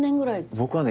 僕はね